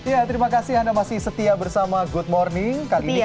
ya terima kasih anda masih setia bersama good morning